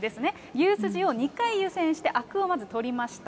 牛すじを２回湯せんして、あくをまず取りました。